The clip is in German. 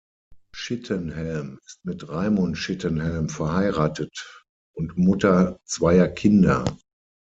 Schittenhelm ist mit Raimund Schittenhelm verheiratet und Mutter zweier Kinder.